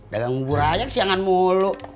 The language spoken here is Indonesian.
dagang bura aja ke siangan mulu